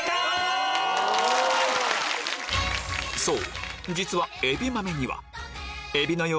そう！